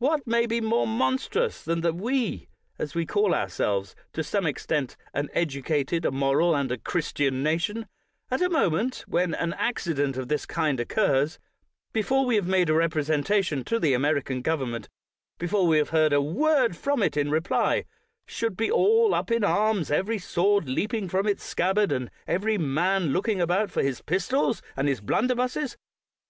What can be more monstrous than that we, as we call ourselves, to some extent, an educated, a moral, and a Christian nation — at a moment when an accident of this kind occurs, before we have made a representation to the American government, before we have heard a word from it in reply — should be all up in arms, every sword leaping from its scabbard, and every man looking about for his pistols and his blunder busses?